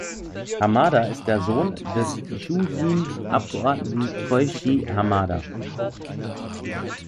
Hamada ist der Sohn des Shūgiin-Abgeordneten Kōichi Hamada.